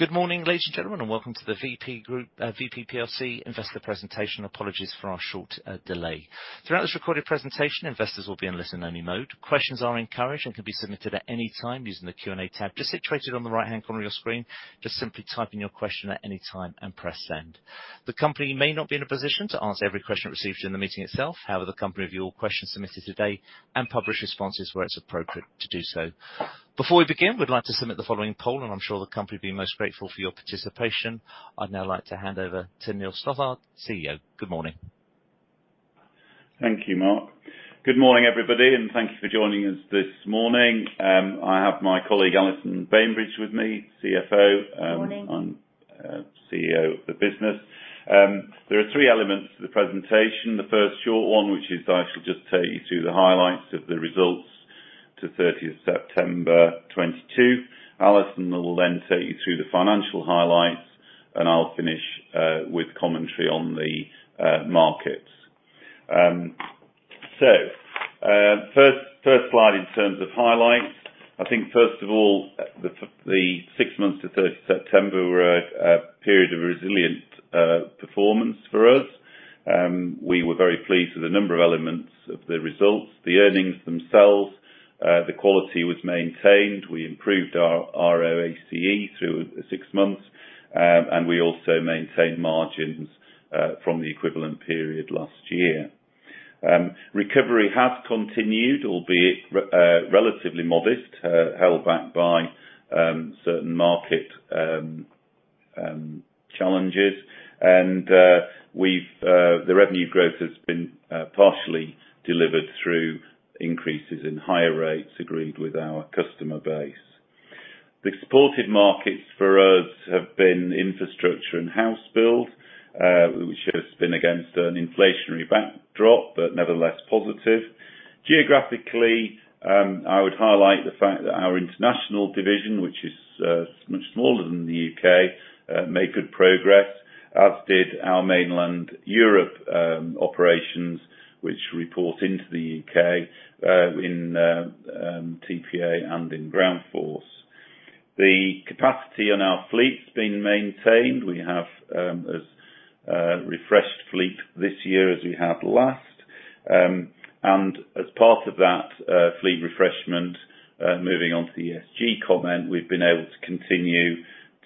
Good morning, ladies and gentlemen, and welcome to the Vp Group, Vp plc Investor Presentation. Apologies for our short delay. Throughout this recorded presentation, investors will be in listen-only mode. Questions are encouraged and can be submitted at any time using the Q&A tab just situated on the right-hand corner of your screen. Just simply type in your question at any time and press send. The company may not be in a position to answer every question received during the meeting itself. However, the company review all questions submitted today and publish responses where it's appropriate to do so. Before we begin, we'd like to submit the following poll, and I'm sure the company will be most grateful for your participation. I'd now like to hand over to Neil Stothard, CEO. Good morning. Thank you, Mark. Good morning, everybody, and thank you for joining us this morning. I have my colleague, Allison Bainbridge, with me, CFO. Morning. I'm CEO of the business. There are three elements to the presentation. The first short one, which is I shall just take you through the highlights of the results to 30th September 2022. Allison will then take you through the financial highlights, and I'll finish with commentary on the markets. First, first slide in terms of highlights. I think, first of all, the six months to 30th September were a period of resilient performance for us. We were very pleased with a number of elements of the results. The earnings themselves, the quality was maintained. We improved our ROACE through six months, and we also maintained margins from the equivalent period last year. Recovery has continued, albeit relatively modest, held back by certain market challenges. We've the revenue growth has been partially delivered through increases in higher rates agreed with our customer base. The supported markets for us have been infrastructure and house build, which has been against an inflationary backdrop, but nevertheless positive. Geographically, I The capacity on our fleet's been maintained. We have as a refreshed fleet this year as we had last. As part of that, fleet refreshment, moving on to the ESG comment, we've been able to continue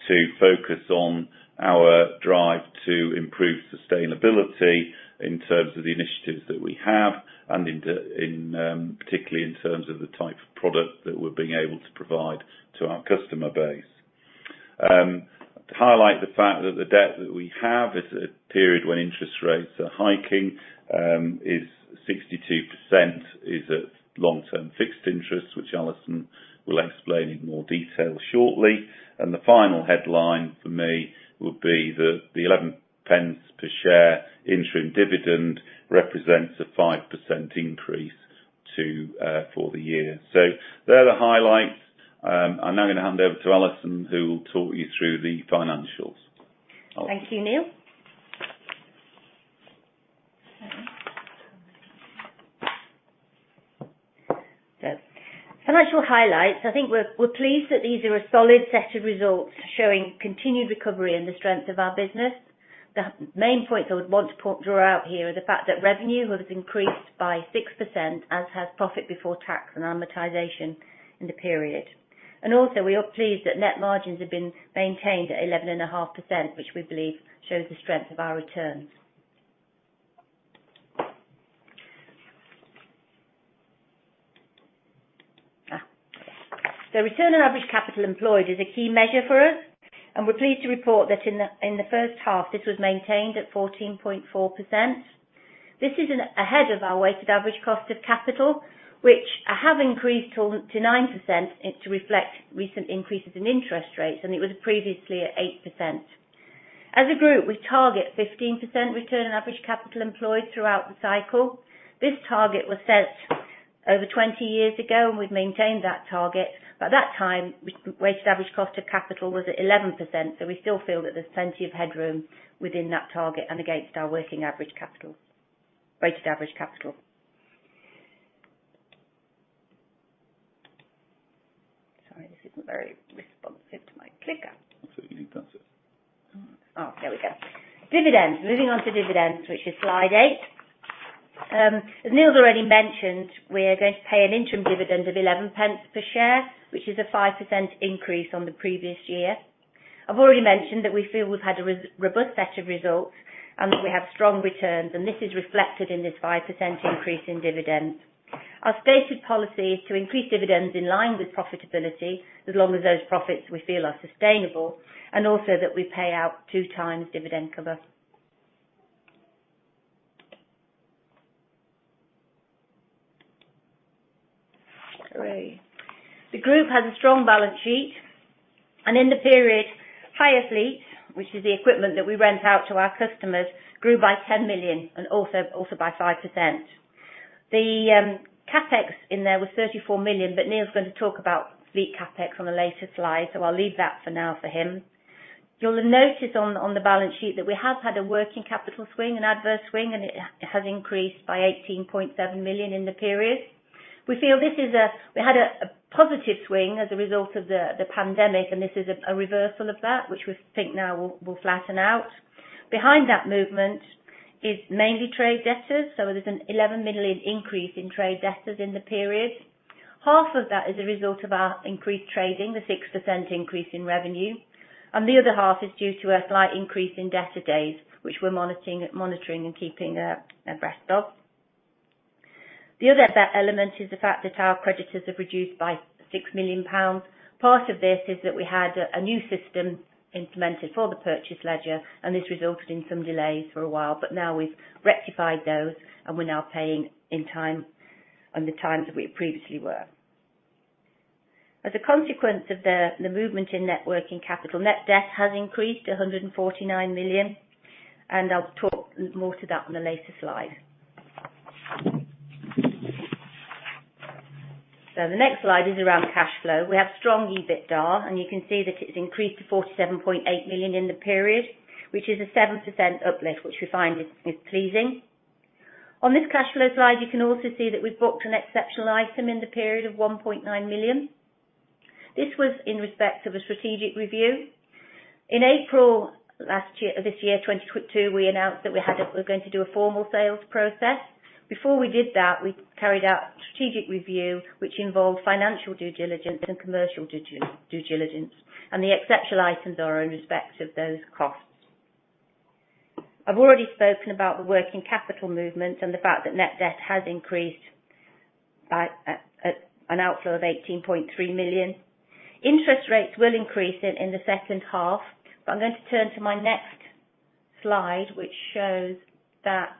to focus on our drive to improve sustainability in terms of the initiatives that we have and particularly in terms of the type of product that we're being able to provide to our customer base. To highlight the fact that the debt that we have is a period when interest rates are hiking, is 62% is a long-term fixed interest, which Allison will explain in more detail shortly. The final headline for me would be the 11 pence per share interim dividend represents a 5% increase for the year. They're the highlights. I'm now gonna hand over to Allison, who will talk you through the financials. Thank you, Neil. Financial highlights. I think we're pleased that these are a solid set of results showing continued recovery in the strength of our business. The main points I would want to draw out here are the fact that revenue has increased by 6% and has profit before tax and amortization in the period. Also, we are pleased that net margins have been maintained at 11.5%, which we believe shows the strength of our returns. The return on average capital employed is a key measure for us, and we're pleased to report that in the, in the first half, this was maintained at 14.4%. This is ahead of our weighted average cost of capital, which have increased to 9% to reflect recent increases in interest rates, and it was previously at 8%. As a group, we target 15% return on average capital employed throughout the cycle. This target was set over 20 years ago, and we've maintained that target. By that time, weighted average cost of capital was at 11%, so we still feel that there's plenty of headroom within that target and against our weighted average capital. Sorry, this isn't very responsive to my clicker. That's it. You can press it. There we go. Dividends. Moving on to dividends, which is slide eight. As Neil's already mentioned, we are going to pay an interim dividend of 11 pence per share, which is a 5% increase on the previous year. I've already mentioned that we feel we've had a robust set of results and that we have strong returns, and this is reflected in this 5% increase in dividends. Our stated policy is to increase dividends in line with profitability, as long as those profits we feel are sustainable, and also that we pay out 2x dividend cover. Hooray. The group has a strong balance sheet, and in the period, hire fleet, which is the equipment that we rent out to our customers, grew by 10 million and also by 5%. The CapEx in there was 34 million, but Neil's going to talk about fleet CapEx on a later slide, so I'll leave that for now for him. You'll notice on the balance sheet that we have had a working capital swing, an adverse swing, and it has increased by 18.7 million in the period. We feel this is, we had a positive swing as a result of the pandemic, and this is a reversal of that, which we think now will flatten out. Behind that movement is mainly trade debtors. There's a 11 million increase in trade debtors in the period. Half of that is a result of our increased trading, the 6% increase in revenue, and the other half is due to a slight increase in debtor days, which we're monitoring and keeping abreast of. The other element is the fact that our creditors have reduced by 6 million pounds. Part of this is that we had a new system implemented for the purchase ledger. This resulted in some delays for a while, but now we've rectified those and we're now paying in time and the times that we previously were. As a consequence of the movement in net working capital, net debt has increased to 149 million. I'll talk more to that in a later slide. The next slide is around cash flow. We have strong EBITDA. You can see that it's increased to 47.8 million in the period, which is a 7% uplift, which we find is pleasing. On this cash flow slide, you can also see that we've booked an exceptional item in the period of 1.9 million. This was in respect of a strategic review. In April, this year, 2022, we announced that we're going to do a formal sales process. Before we did that, we carried out strategic review, which involved financial due diligence and commercial due diligence, the exceptional items are in respect of those costs. I've already spoken about the working capital movement and the fact that net debt has increased by an outflow of 18.3 million. Interest rates will increase in the second half. I'm going to turn to my next slide, which shows that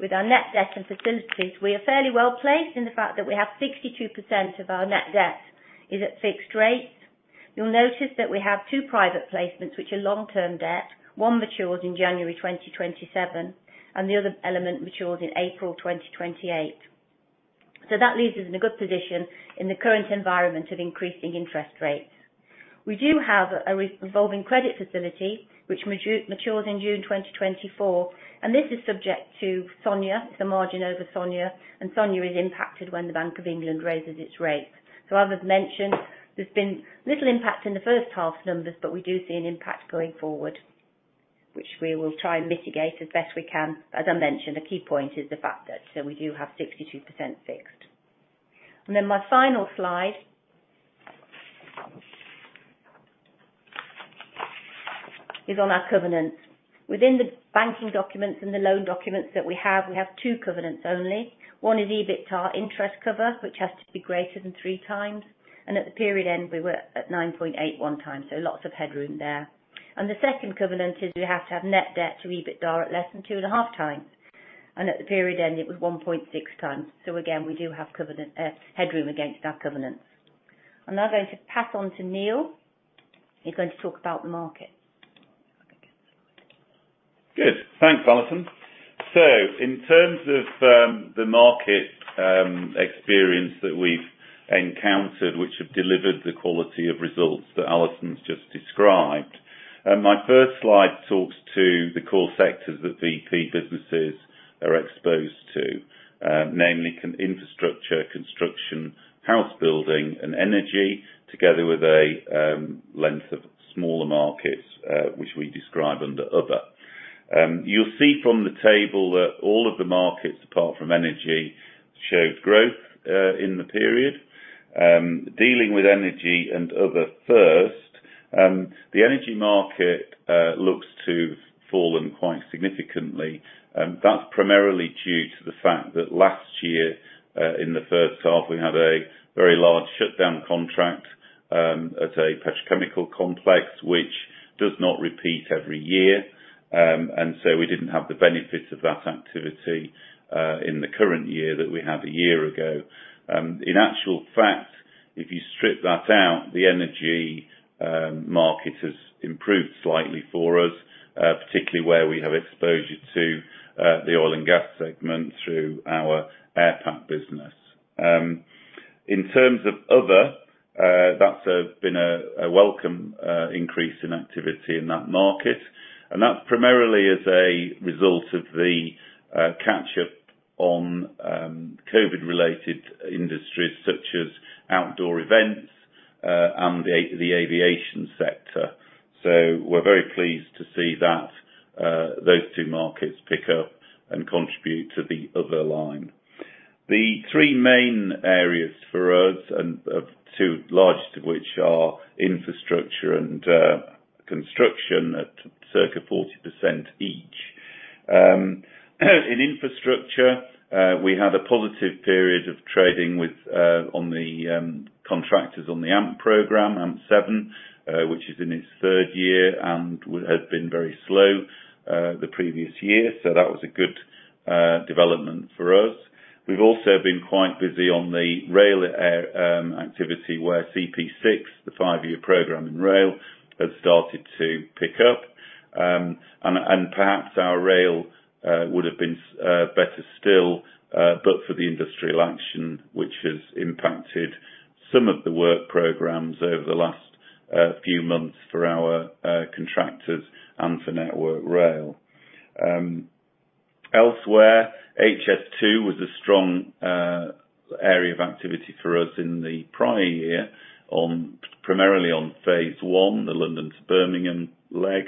with our net debt and facilities, we are fairly well-placed in the fact that we have 62% of our net debt is at fixed rates. You'll notice that we have two private placements, which are long-term debt. One matures in January 2027, the other element matures in April 2028. That leaves us in a good position in the current environment of increasing interest rates. We do have a revolving credit facility which matures in June 2024, and this is subject to SONIA. It's a margin over SONIA, and SONIA is impacted when the Bank of England raises its rates. As I've mentioned, there's been little impact in the first half's numbers, but we do see an impact going forward, which we will try and mitigate as best we can. As I mentioned, the key point is the fact that we do have 62% fixed. My final slide is on our covenants. Within the banking documents and the loan documents that we have, we have two covenants only. One is EBITDA interest cover, which has to be greater than 3x At the period end, we were at 9.81 times, so lots of headroom there. The second covenant is we have to have net debt to EBITDA at less than 2.5x. At the period end, it was 1.6x. Again, we do have covenant headroom against our covenants. I'm now going to pass on to Neil, who's going to talk about the market. Good. Thanks, Allison. In terms of the market, experience that we've encountered, which have delivered the quality of results that Allison's just described, my first slide talks to the core sectors that the key businesses are exposed to, namely infrastructure, construction, house building and energy, together with a length of smaller markets, which we describe under other. You'll see from the table that all of the markets, apart from energy, showed growth in the period. Dealing with energy and other first, the energy market looks to have fallen quite significantly. That's primarily due to the fact that last year, in the first half, we had a very large shutdown contract at a petrochemical complex, which does not repeat every year. We didn't have the benefits of that activity in the current year that we had a year ago. In actual fact, if you strip that out, the energy market has improved slightly for us, particularly where we have exposure to the Oil and Gas segment through our Airpac business. In terms of other, that's been a welcome increase in activity in that market. That primarily is a result of the catch up on COVID-related industries such as outdoor events and the Aviation sector. We're very pleased to see that those two markets pick up and contribute to the other line. The three main areas for us and the two largest of which are infrastructure and construction at circa 40% each. In infrastructure, we had a positive period of trading with on the contractors on the AMP program, AMP 7, which is in its third year and would have been very slow the previous year. That was a good development for us. We've also been quite busy on the rail activity where CP6, the five-year program in rail, has started to pick up. Perhaps our rail would've been better still but for the industrial action, which has impacted some of the work programs over the last few months for our contractors and for Network Rail. Elsewhere, HS2 was a strong area of activity for us in the prior year on, primarily on phase one, the London to Birmingham leg.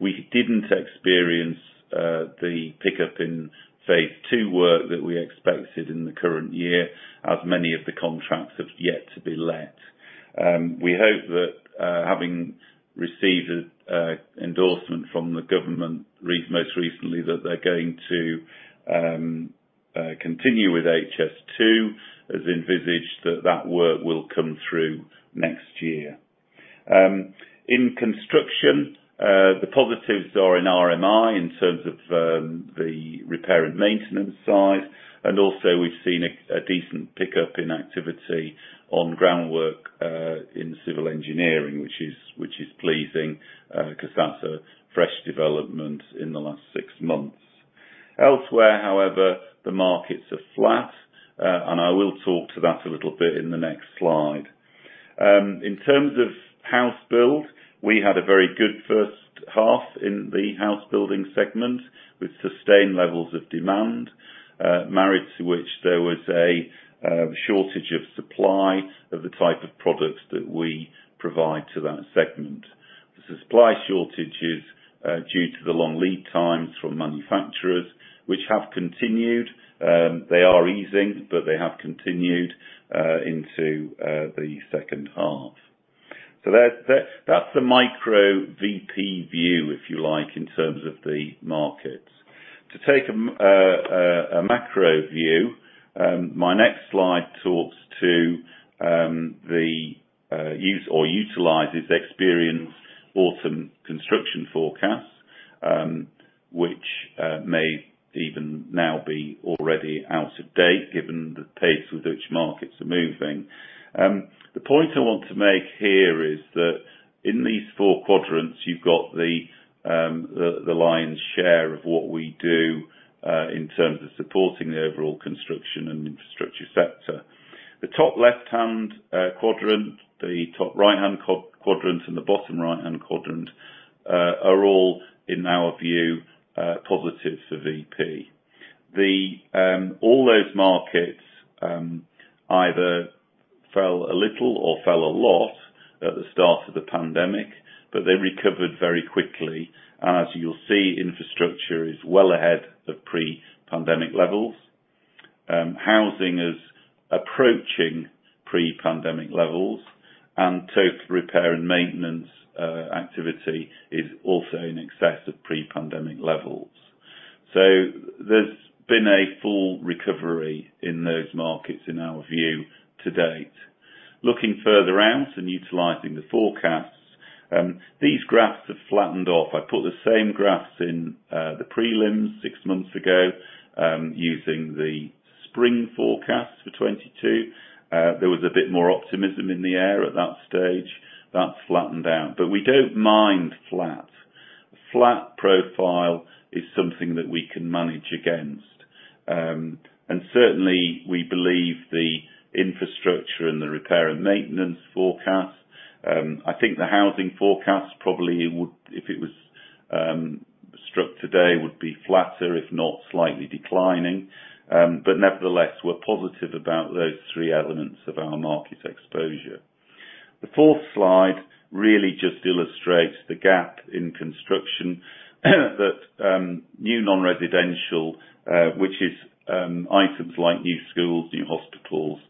We didn't experience the pickup in phase two work that we expected in the current year, as many of the contracts have yet to be let. We hope that having received endorsement from the government most recently that they're going to continue with HS2, as envisaged that that work will come through next year. In construction, the positives are in RMI in terms of the repair and maintenance side, and also we've seen a decent pickup in activity on groundwork in civil engineering, which is pleasing, 'cause that's a fresh development in the last six months. Elsewhere, however, the markets are flat. I will talk to that a little bit in the next slide. In terms of house build, we had a very good first half in the House Building segment with sustained levels of demand, married to which there was a shortage of supply of the type of products that we provide to that segment. The supply shortage is due to the long lead times from manufacturers which have continued. They are easing, but they have continued into the second half. That's the micro Vp view, if you like, in terms of the markets. To take a macro view, my next slide talks to the use or utilizes experienced autumn construction forecasts, which may even now be already out of date, given the pace with which markets are moving. The point I want to make here is that in these four quadrants, you've got the lion's share of what we do in terms of supporting the overall Construction and Infrastructure sector. The top left-hand quadrant, the top right-hand quadrant, and the bottom right-hand quadrant are all, in our view, positive for Vp. All those markets either fell a little or fell a lot at the start of the pandemic, they recovered very quickly. As you'll see, infrastructure is well ahead of pre-pandemic levels. Housing is approaching pre-pandemic levels, and take repair and maintenance activity is also in excess of pre-pandemic levels. There's been a full recovery in those markets, in our view to date. Looking further out and utilizing the forecasts, these graphs have flattened off. I put the same graphs in the prelims six months ago, using the spring forecast for 2022. There was a bit more optimism in the air at that stage. That's flattened out, but we don't mind flat. Flat profile is something that we can manage against. And certainly we believe the infrastructure and the repair and maintenance forecast, I think the housing forecast probably would, if it was struck today, would be flatter, if not slightly declining. Nevertheless, we're positive about those three elements of our market exposure. The fourth slide really just illustrates the gap in construction that new non-residential, which is items like new schools, new hospitals,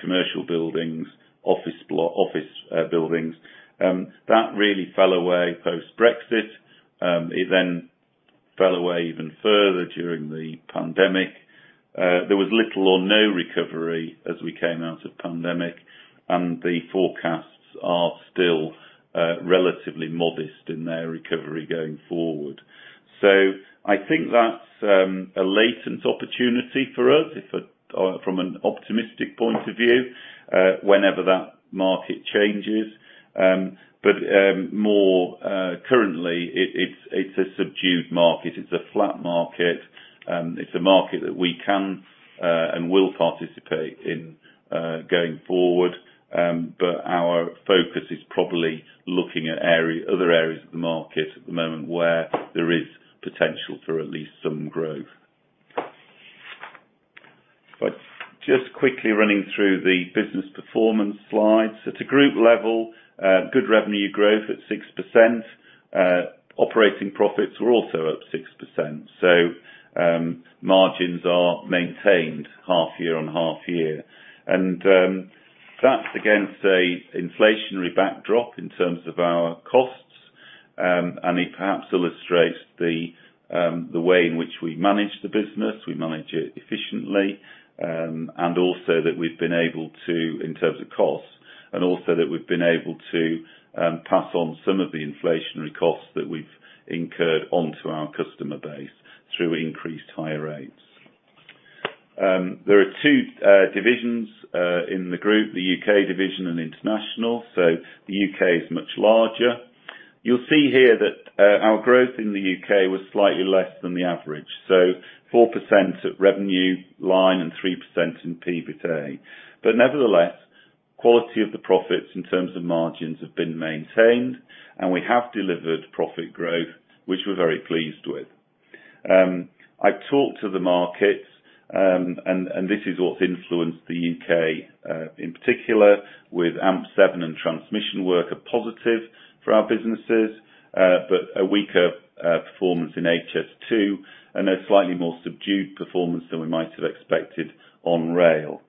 commercial buildings, office block, office buildings, that really fell away post-Brexit. It then fell away even further during the pandemic. There was little or no recovery as we came out of pandemic, and the forecasts are still relatively modest in their recovery going forward. I think that's a latent opportunity for us from an optimistic point of view, whenever that market changes. More currently it's a subdued market, it's a flat market. It's a market that we can and will participate in going forward. Our focus is probably looking at area, other areas of the market at the moment where there is potential for at least some growth. Just quickly running through the business performance slides. At a group level, good revenue growth at 6%. Operating profits were also up 6%. Margins are maintained half year on half year. That's against an inflationary backdrop in terms of our costs, and it perhaps illustrates the way in which we manage the business. We manage it efficiently, and also that we've been able to, in terms of costs, pass on some of the inflationary costs that we've incurred onto our customer base through increased higher rates. There are two divisions in the group, the UK division and International. The U.K. is much larger. You'll see here that our growth in the U.K. was slightly less than the average, so 4% at revenue line and 3% in EBITDA. Nevertheless, quality of the profits in terms of margins have been maintained, and we have delivered profit growth, which we're very pleased with. I talked to the markets, and this is what's influenced the U.K. in particular with AMP 7 and transmission work, a positive for our businesses, but a weaker performance in HS2, and a slightly more subdued performance than we might have expected on rail.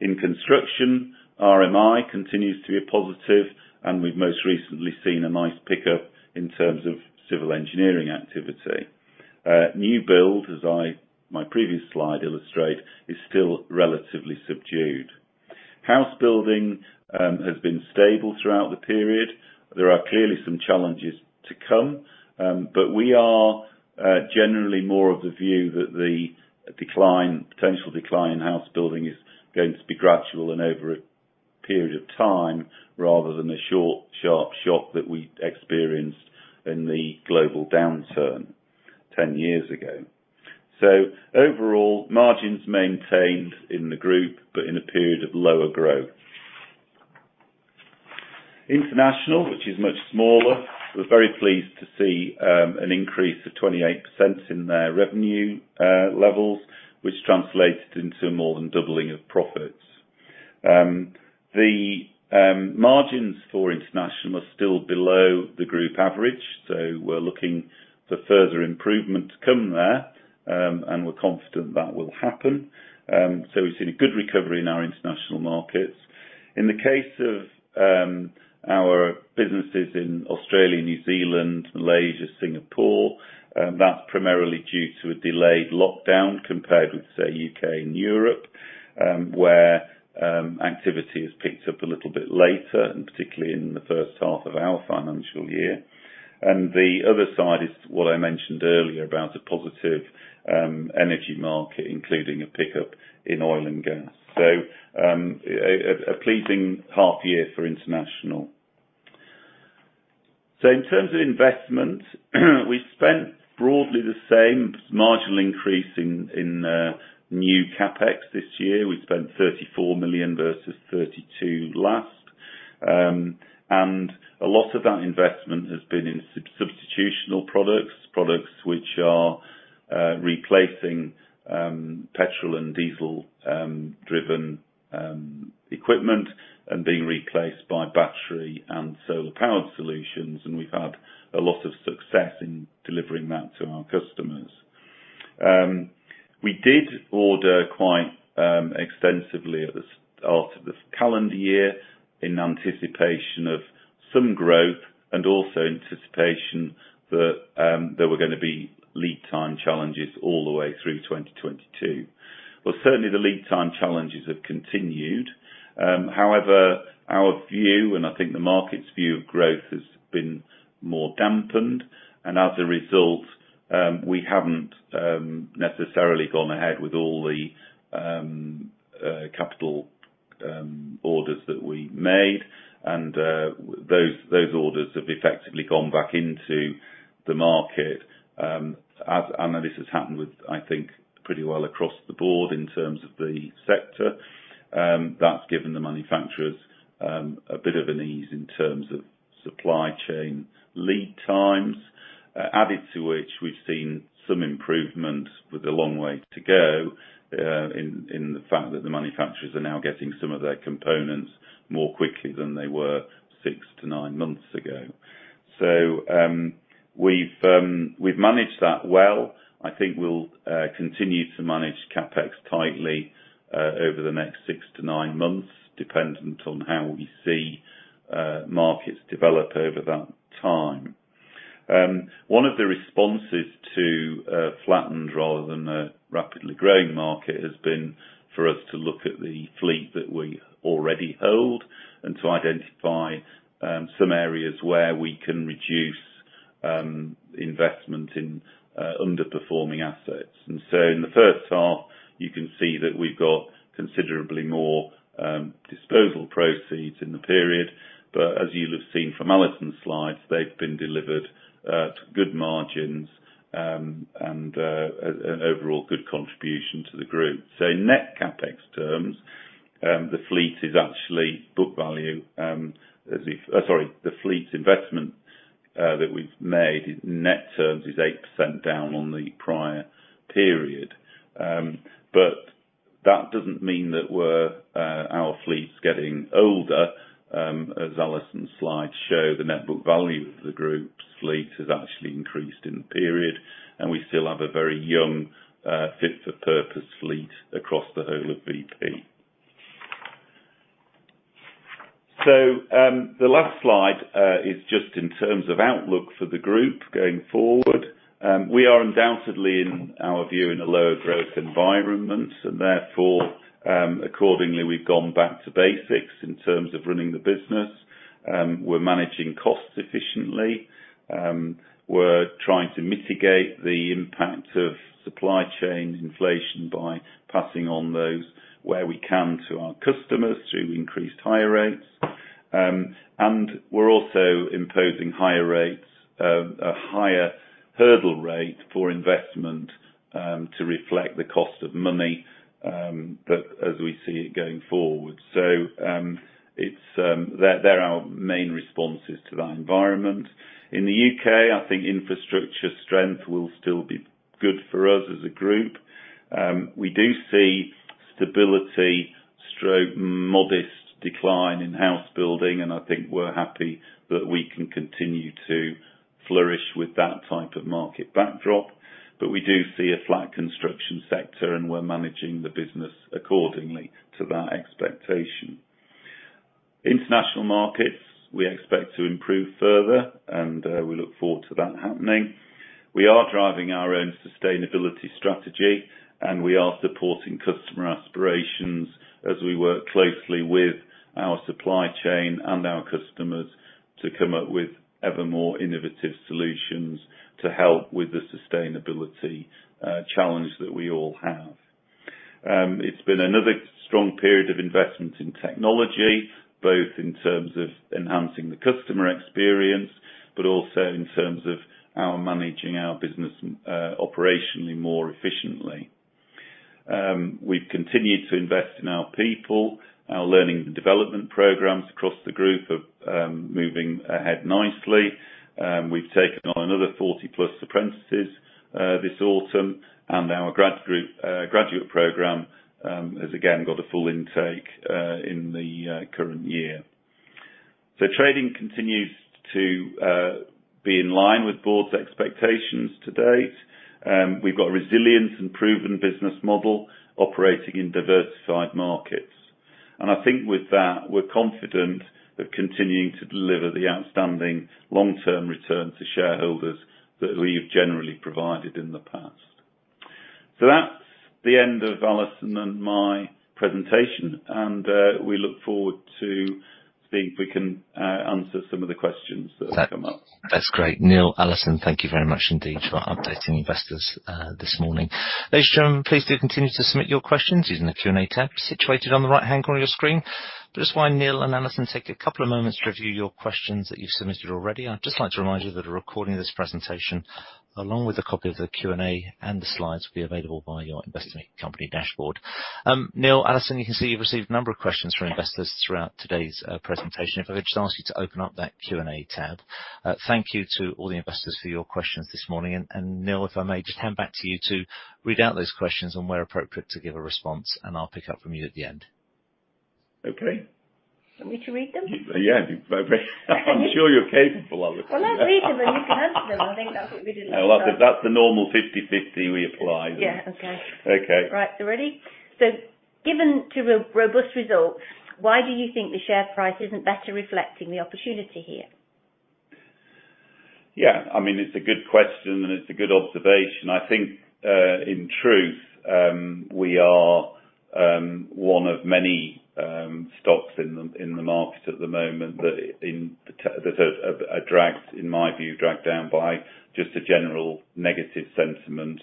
In construction, RMI continues to be a positive, and we've most recently seen a nice pickup in terms of civil engineering activity. New Build, as my previous slide illustrate, is still relatively subdued. House Building has been stable throughout the period. There are clearly some challenges to come, but we are generally more of the view that the decline, potential decline in house building is going to be gradual and over a period of time, rather than the short, sharp shock that we experienced in the global downturn 10 years ago. Overall, margins maintained in the group, but in a period of lower growth. International, which is much smaller, we're very pleased to see an increase of 28% in their revenue levels, which translated into more than doubling of profits. The margins for international are still below the group average. We're looking for further improvement to come there, and we're confident that will happen. We've seen a good recovery in our international markets. In the case of our businesses in Australia, New Zealand, Malaysia, Singapore, that's primarily due to a delayed lockdown compared with, say, UK and Europe, where activity has picked up a little bit later, and particularly in the first half of our financial year. The other side is what I mentioned earlier about a positive energy market, including a pickup in oil and gas. A pleasing half year for international. In terms of investment, we've spent broadly the same, marginal increase in new CapEx this year. We spent 34 million versus 32 million last. A lot of that investment has been in sub-substitutional products which are replacing petrol and diesel driven equipment and being replaced by battery and solar powered solutions, and we've had a lot of success in delivering that to our customers. We did order quite extensively at the start of the calendar year in anticipation of some growth and also anticipation that there were gonna be lead time challenges all the way through 2022. Well, certainly the lead time challenges have continued. However, our view, and I think the market's view of growth, has been more dampened. As a result, we haven't necessarily gone ahead with all the capital orders that we made. Those orders have effectively gone back into the market, and this has happened with, I think, pretty well across the board in terms of the sector. That's given the manufacturers a bit of an ease in terms of supply chain lead times. Added to which we've seen some improvement with a long way to go, in the fact that the manufacturers are now getting some of their components more quickly than they were six to nine months ago. We've managed that well. I think we'll continue to manage CapEx tightly over the next six to nine months, dependent on how we see markets develop over that time. One of the responses to a flattened rather than a rapidly growing market has been for us to look at the fleet that we already hold and to identify some areas where we can reduce investment in underperforming assets. In the first half, you can see that we've got considerably more disposal proceeds in the period. As you'll have seen from Allison's slides, they've been delivered at good margins and an overall good contribution to the group. In net CapEx terms, the fleet is actually book value, Sorry, the fleet investment that we've made in net terms is 8% down on the prior period. That doesn't mean that we're our fleet's getting older. As Allison's slides show, the net book value of the group's fleet has actually increased in the period, and we still have a very young, fit for purpose fleet across the whole of Vp. The last slide is just in terms of outlook for the group going forward. We are undoubtedly, in our view, in a lower growth environment, and therefore, accordingly, we've gone back to basics in terms of running the business. We're managing costs efficiently. We're trying to mitigate the impact of supply chain inflation by passing on those where we can to our customers through increased higher rates. We're also imposing higher rates, a higher hurdle rate for investment, to reflect the cost of money, but as we see it going forward. It's, they're our main responses to that environment. In the U.K., I think infrastructure strength will still be good for us as a group. We do see stability stroke modest decline in House Building, and I think we're happy that we can continue to flourish with that type of market backdrop, but we do see a Flat Construction sector, and we're managing the business accordingly to that expectation. International markets, we expect to improve further, and we look forward to that happening. We are driving our own sustainability strategy, and we are supporting customer aspirations as we work closely with our supply chain and our customers to come up with ever more innovative solutions to help with the sustainability challenge that we all have. It's been another strong period of investment in technology, both in terms of enhancing the customer experience, but also in terms of our managing our business operationally more efficiently. We've continued to invest in our people, our learning and development programs across the group of moving ahead nicely. We've taken on another 40-plus apprentices this autumn, and our graduate program has again got a full intake in the current year. Trading continues to be in line with board's expectations to date. We've got resilience and proven business model operating in diversified markets. I think with that, we're confident that continuing to deliver the outstanding long-term return to shareholders that we've generally provided in the past. That's the end of Allison and my presentation, and we look forward to see if we can answer some of the questions that have come up. That's great. Neil, Allison, thank you very much indeed for updating investors this morning. Ladies and gentlemen, please do continue to submit your questions using the Q&A tab situated on the right-hand corner of your screen. Just while Neil and Allison take a couple of moments to review your questions that you've submitted already, I'd just like to remind you that a recording of this presentation, along with a copy of the Q&A and the slides will be available via your investing company dashboard. Neil, Allison, you can see you've received a number of questions from investors throughout today's presentation. If I could just ask you to open up that Q&A tab. Thank you to all the investors for your questions this morning. Neil, if I may just hand back to you to read out those questions and where appropriate to give a response, and I'll pick up from you at the end. Okay. You want me to read them? Yeah. By I'm sure you're capable, Allison. Well, I'll read them, and you can answer them. I think that's what we did last time. That's the normal 50/50 we apply. Yeah. Okay. Okay. Right. Ready? Given two robust results, why do you think the share price isn't better reflecting the opportunity here? Yeah. I mean, it's a good question. It's a good observation. I think, in truth, we are one of many stocks in the market at the moment that are dragged, in my view, dragged down by just a general negative sentiment,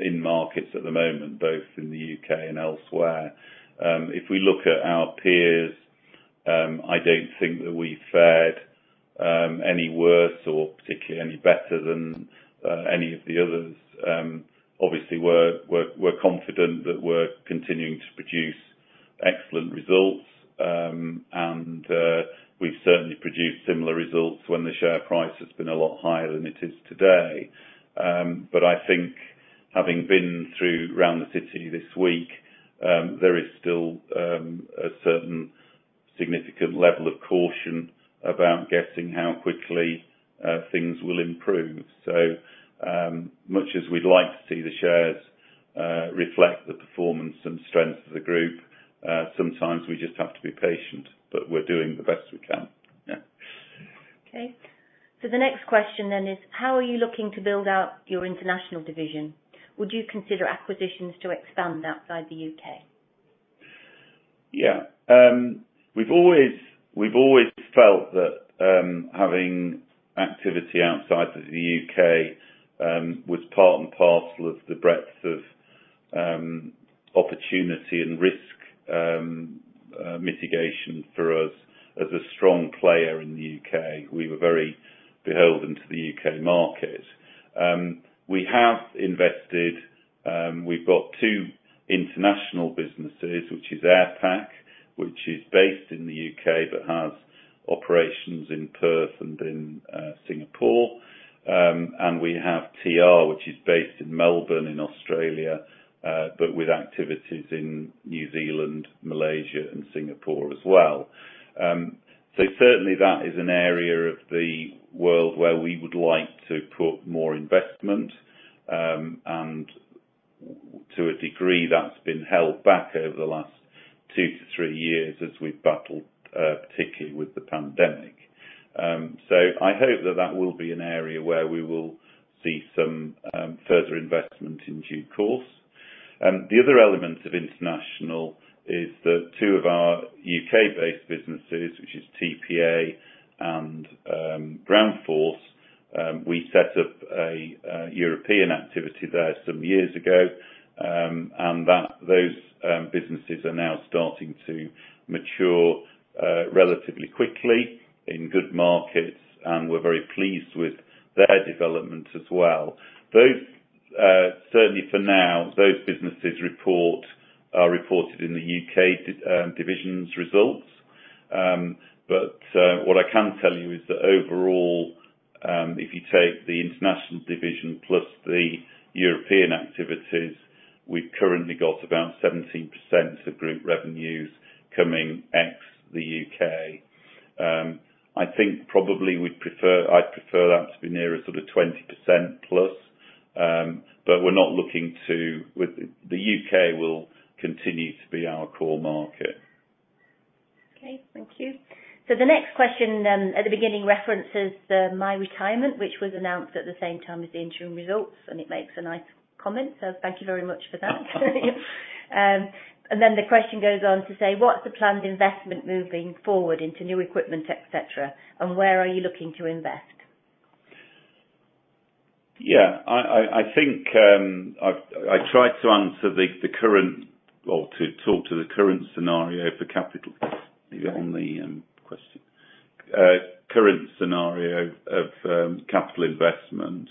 in markets at the moment, both in the UK and elsewhere. If we look at our peers, I don't think that we've fared any worse or particularly any better than any of the others. Obviously we're confident that we're continuing to produce excellent results. We've certainly produced similar results when the share price has been a lot higher than it is today. I think having been through around the city this week, there is still a certain significant level of caution about guessing how quickly things will improve. Much as we'd like to see the shares reflect the performance and strength of the Group, sometimes we just have to be patient, but we're doing the best we can. Yeah. Okay. The next question then is, how are you looking to build out your International division? Would you consider acquisitions to expand outside the U.K.? Yeah. We've always felt that having activity outside of the U.K was part and parcel of the breadth of opportunity and risk mitigation for us as a strong player in the U.K. We were very beholden to the U.K market. We have invested, we've got two international businesses, which is Airpac, which is based in the U.K but has operations in Perth and in Singapore. We have TR, which is based in Melbourne, in Australia, but with activities in New Zealand, Malaysia, and Singapore as well. Certainly that is an area of the world where we would like to put more investment, and to a degree, that's been held back over the last two to three years as we've battled particularly with the pandemic. I hope that that will be an area where we will see some further investment in due course. The other element of international is that two of our UK-based businesses, which is TPA and Groundforce, we set up a European activity there some years ago, and that those businesses are now starting to mature relatively quickly in good markets, and we're very pleased with their development as well. Those, certainly for now, those businesses report, are reported in the UK divisions results. What I can tell you is that overall, if you take the International division plus the European activities, we've currently got about 17% of Group revenues coming ex the UK. I think probably I'd prefer that to be nearer sort of 20% plus. We're not looking to. With the UK will continue to be our core market. Okay. Thank you. The next question, at the beginning references the my retirement, which was announced at the same time as the interim results, and it makes a nice comment. Thank you very much for that. The question goes on to say: What's the planned investment moving forward into New Equipment, et cetera, and where are you looking to invest? Yeah. I think I tried to answer the current or to talk to the current scenario for capital. Maybe on the question. Current scenario of capital investment.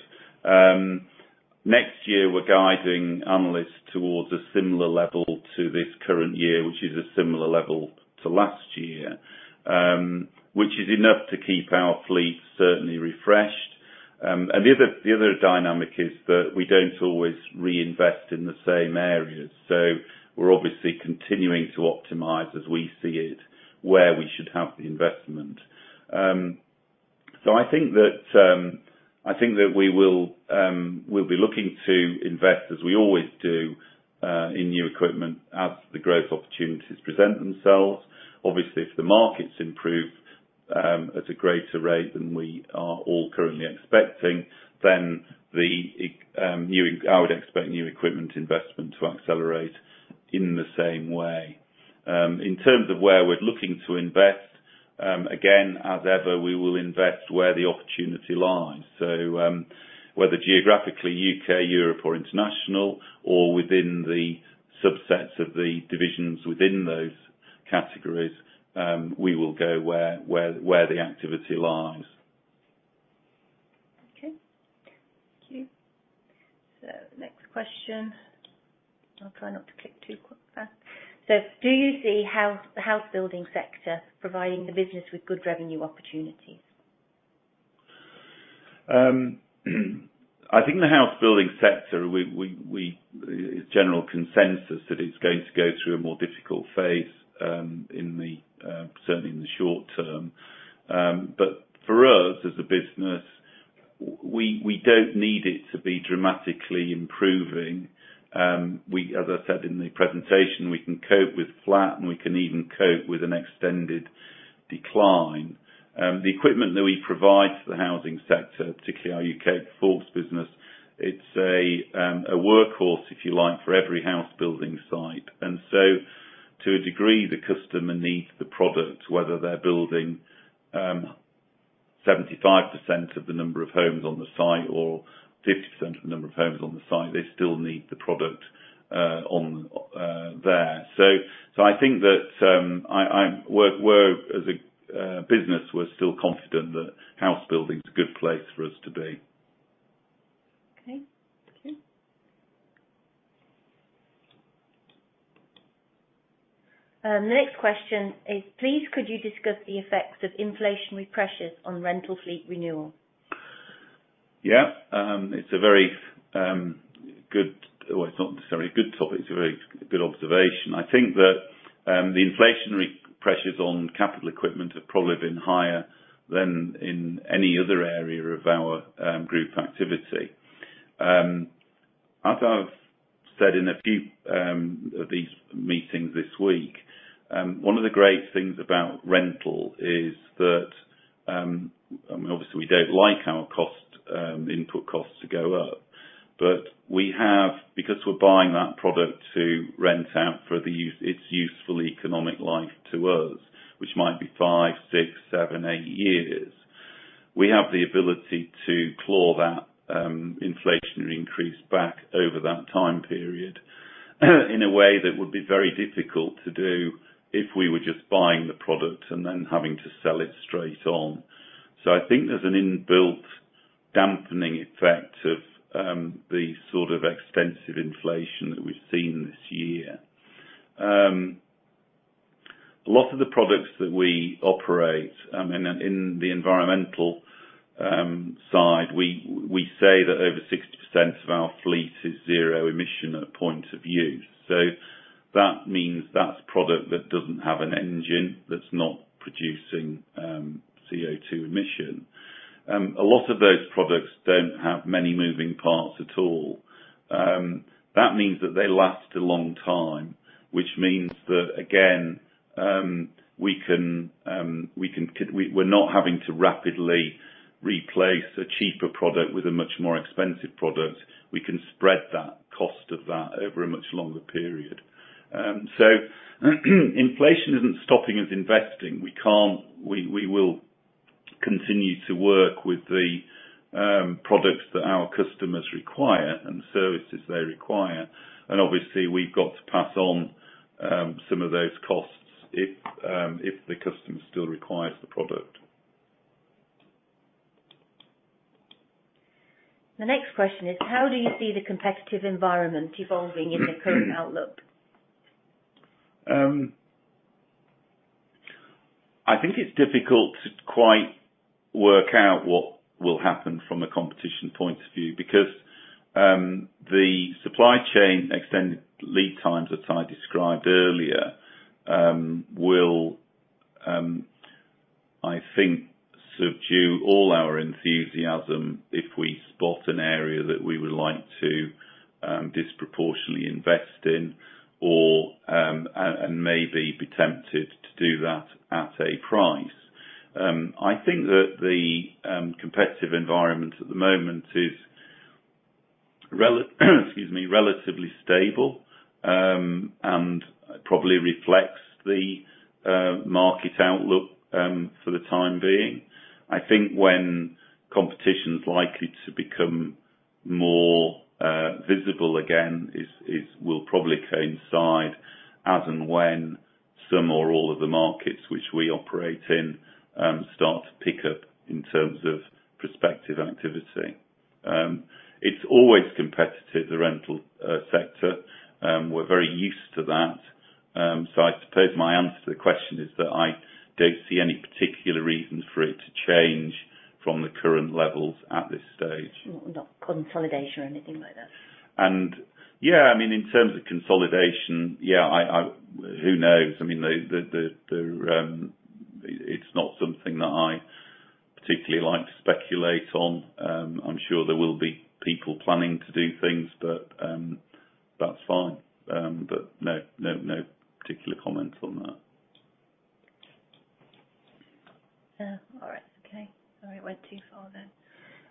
Next year we're guiding analysts towards a similar level to this current year, which is a similar level to last year, which is enough to keep our fleet certainly refreshed. The other dynamic is that we don't always reinvest in the same areas, so we're obviously continuing to optimize as we see it, where we should have the investment. I think that we will we'll be looking to invest, as we always do, in New Equipment as the growth opportunities present themselves. Obviously, if the markets improve, at a greater rate than we are all currently expecting, then I would expect New Equipment investment to accelerate in the same way. In terms of where we're looking to invest, again, as ever, we will invest where the opportunity lies. Whether geographically UK, Europe or international, or within the subsets of the divisions within those categories, we will go where the activity lies. Okay. Thank you. Next question. I'll try not to click too quick. Do you see the House Building sector providing the business with good revenue opportunities? I think the House Building sector. It's general consensus that it's going to go through a more difficult phase, certainly in the short term. For us, as a business, we don't need it to be dramatically improving. We, as I said in the presentation, we can cope with flat, and we can even cope with an extended decline. The equipment that we provide to the Housing sector, particularly our UK Forks business, it's a workhorse, if you like, for every house building site. To a degree, the customer needs the product, whether they're building, 75% of the number of homes on the site or 50% of the number of homes on the site, they still need the product on there. I think that I'm... We're as a business, we're still confident that House Building is a good place for us to be. Okay. Thank you. The next question is, please could you discuss the effects of inflationary pressures on rental fleet renewal? Yeah. It's a very good. Well, it's not necessarily a good topic. It's a very good observation. I think that the inflationary pressures on capital equipment have probably been higher than in any other area of our group activity. As I've said in a few of these meetings this week, one of the great things about rental is that obviously we don't like our cost input costs to go up, but we have, because we're buying that product to rent out for the use, its useful economic life to us, which might be five, six, seven, eight years, we have the ability to claw that inflationary increase back over that time period in a way that would be very difficult to do if we were just buying the product and then having to sell it straight on. I think there's an inbuilt dampening effect of the sort of extensive inflation that we've seen this year. A lot of the products that we operate in the environmental side, we say that over 60% of our fleet is zero emission at a point of use. That means that's product that doesn't have an engine that's not producing CO2 emission. A lot of those products don't have many moving parts at all. That means that they last a long time, which means that, again, we can, we're not having to rapidly replace a cheaper product with a much more expensive product. We can spread that cost of that over a much longer period. Inflation isn't stopping us investing. We can't... We will continue to work with the products that our customers require and the services they require, and obviously, we've got to pass on some of those costs if the customer still requires the product. The next question is, how do you see the competitive environment evolving in the current outlook? I think it's difficult to quite work out what will happen from a competition point of view because the supply chain extended lead times, as I described earlier, will, I think, subdue all our enthusiasm if we spot an area that we would like to disproportionately invest in or maybe be tempted to do that at a price. I think that the competitive environment at the moment is relatively stable and probably reflects the market outlook for the time being. I think when competition's likely to become more visible again will probably coincide as and when some or all of the markets which we operate in start to pick up in terms of prospective activity. It's always competitive, the Rental sector. We're very used to that. I suppose my answer to the question is that I don't see any particular reason for it to change from the current levels at this stage. Not consolidation or anything like that? Yeah, I mean, in terms of consolidation, yeah, I... Who knows? I mean, the, it's not something that I particularly like to speculate on. I'm sure there will be people planning to do things, but that's fine. No particular comment on that. Yeah. All right. Okay. Sorry, went too far then.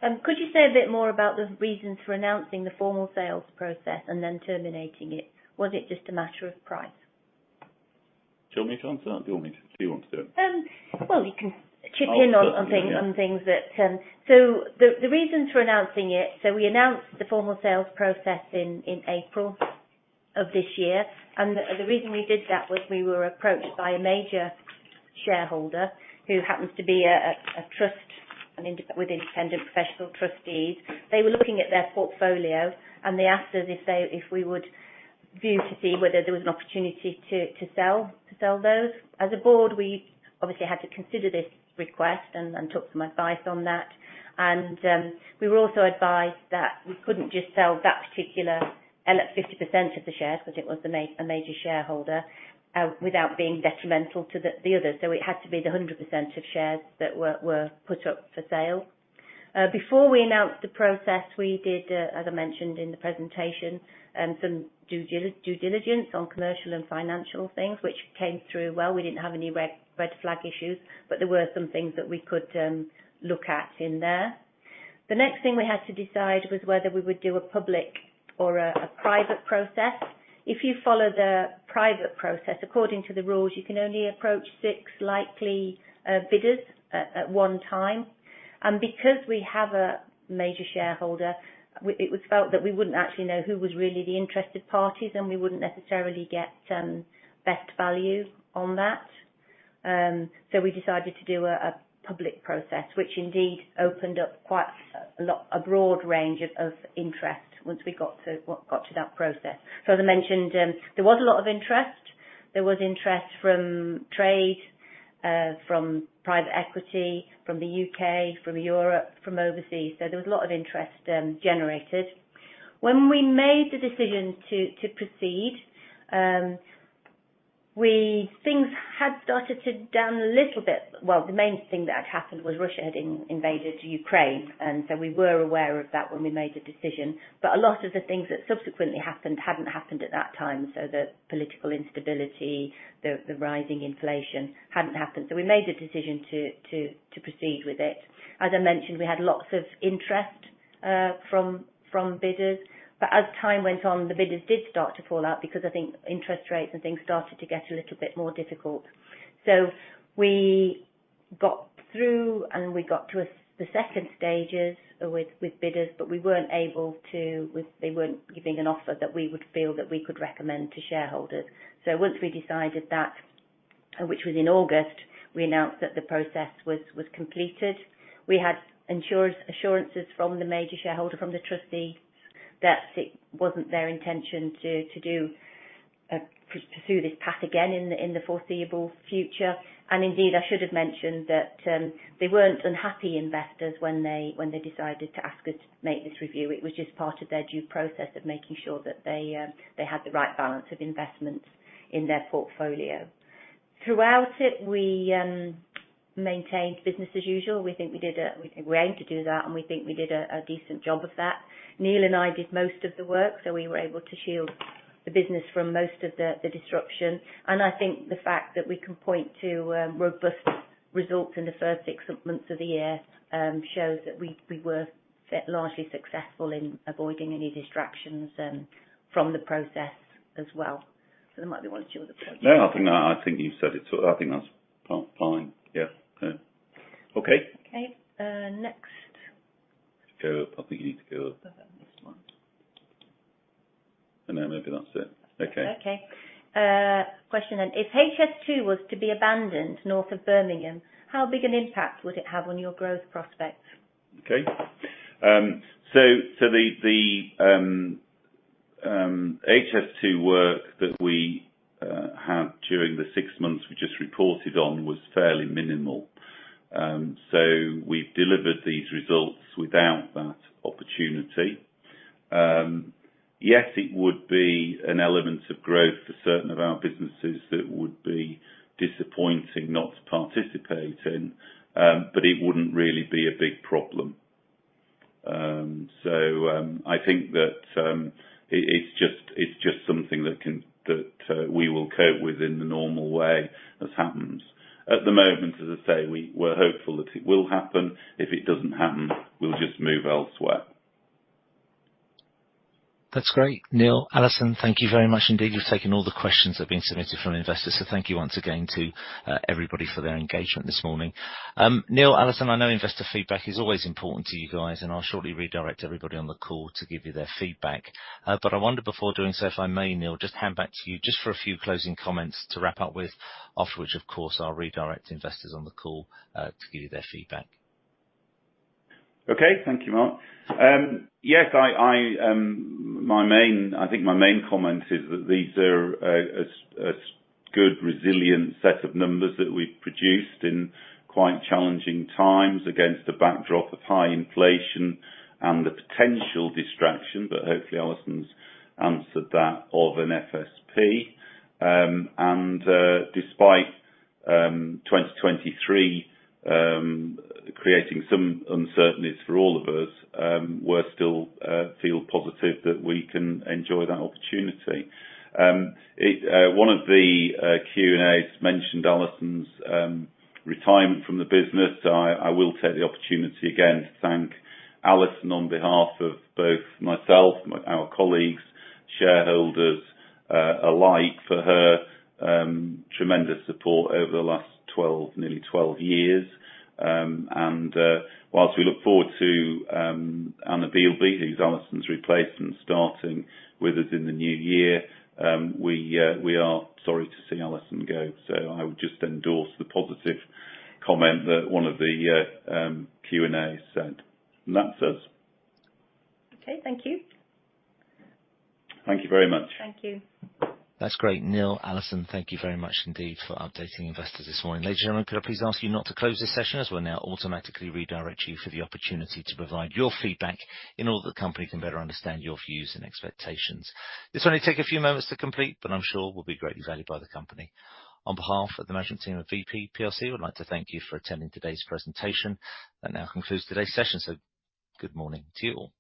Could you say a bit more about the reasons for announcing the formal sales process and then terminating it? Was it just a matter of price? Do you want me to answer that, or do you want to do it? Well, you can chip in on things. I'll certainly, yeah.... on things that. The reasons for announcing it. We announced the formal sales process in April of this year. The reason we did that was we were approached by a major shareholder who happens to be a trust with independent professional trustees. They were looking at their portfolio, and they asked us if we would view to see whether there was an opportunity to sell those. As a board, we obviously had to consider this request and took some advice on that. We were also advised that we couldn't just sell that particular like 50% of the shares 'cause it was a major shareholder without being detrimental to the others. It had to be the 100% of shares that were put up for sale. Before we announced the process, we did, as I mentioned in the presentation, some due diligence on commercial and financial things, which came through well. We didn't have any red flag issues, but there were some things that we could look at in there. The next thing we had to decide was whether we would do a public or a private process. If you follow the private process, according to the rules, you can only approach six likely bidders at one time. Because we have a major shareholder, it was felt that we wouldn't actually know who was really the interested parties, and we wouldn't necessarily get best value on that. We decided to do a public process, which indeed opened up quite a lot, a broad range of interest once we got to that process. As I mentioned, there was a lot of interest. There was interest from trade, from private equity, from the U.K., from Europe, from overseas. There was a lot of interest generated. When we made the decision to proceed, things had started to dim a little bit. The main thing that had happened was Russia had invaded Ukraine. We were aware of that when we made the decision. A lot of the things that subsequently happened hadn't happened at that time. The political instability, the rising inflation hadn't happened. We made a decision to proceed with it. As I mentioned, we had lots of interest from bidders. As time went on, the bidders did start to fall out because I think interest rates and things started to get a little bit more difficult. We got through, and we got to the second stages with bidders, but we weren't able to... They weren't giving an offer that we would feel that we could recommend to shareholders. Once we decided that, which was in August, we announced that the process was completed. We had assurances from the major shareholder, from the trustees, that it wasn't their intention to pursue this path again in the foreseeable future. Indeed, I should have mentioned that they weren't unhappy investors when they decided to ask us to make this review. It was just part of their due process of making sure that they had the right balance of investments in their portfolio. Throughout it, we maintained business as usual. We aim to do that, and we think we did a decent job of that. Neil and I did most of the work, so we were able to shield the business from most of the disruption. I think the fact that we can point to robust results in the first six months of the year, shows that we were largely successful in avoiding any distractions, from the process as well. There might be one or two other points. No, I think you've said it. I think that's part fine. Yeah. Okay. Okay. Next. Go. I think you need to go up. This one. No, maybe that's it. Okay. Okay. question then, "If HS2 was to be abandoned north of Birmingham, how big an impact would it have on your growth prospects? Okay. The HS2 work that we had during the six months we just reported on was fairly minimal. We've delivered these results without that opportunity. Yes, it would be an element of growth for certain of our businesses that would be disappointing not to participate in, but it wouldn't really be a big problem. I think that it's just something that we will cope with in the normal way as happens. At the moment, as I say, we're hopeful that it will happen. If it doesn't happen, we'll just move elsewhere. That's great. Neil, Allison Bainbridge, thank you very much indeed. You've taken all the questions that have been submitted from investors. Thank you once again to everybody for their engagement this morning. Neil, Allison, I know investor feedback is always important to you guys, and I'll shortly redirect everybody on the call to give you their feedback. But I wonder, before doing so, if I may, Neil, just hand back to you just for a few closing comments to wrap up with, after which, of course, I'll redirect investors on the call to give you their feedback. Okay. Thank you, Mark. Yes, I think my main comment is that these are a good, resilient set of numbers that we've produced in quite challenging times against a backdrop of high inflation and the potential distraction, but hopefully Allison's answered that of an FSP. Despite 2023 creating some uncertainties for all of us, we're still feel positive that we can enjoy that opportunity. One of the Q&As mentioned Allison's retirement from the business. I will take the opportunity again to thank Allison on behalf of both myself, our colleagues, shareholders alike for her tremendous support over the last 12-- nearly 12 years. While we look forward to Anna Bielby, who's Allison's replacement, starting with us in the new year, we are sorry to see Allison go. I would just endorse the positive comment that one of the Q&A sent. That's us. Okay. Thank you. Thank you very much. Thank you. That's great. Neil, Allison, thank you very much indeed for updating investors this morning. Ladies and gentlemen, could I please ask you not to close this session as we'll now automatically redirect you for the opportunity to provide your feedback in order that the company can better understand your views and expectations. This will only take a few moments to complete, but I'm sure will be greatly valued by the company. On behalf of the management team at Vp plc, we'd like to thank you for attending today's presentation. That now concludes today's session, so good morning to you all.